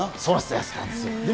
やってたんですよ。